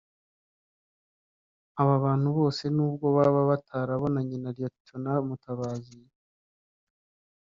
Aba bantu bose nubwo baba batarabonanye na Lt Mutabazi